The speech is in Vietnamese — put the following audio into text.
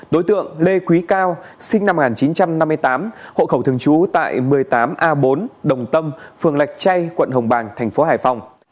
đối tượng lê quý cao sinh năm một nghìn chín trăm năm mươi tám hộ khẩu thường trú tại một mươi tám a bốn đồng tâm phường lạch chay quận hồng bàng thành phố hải phòng